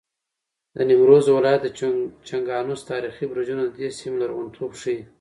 د نیمروز ولایت د چګانوس تاریخي برجونه د دې سیمې لرغونتوب ښیي.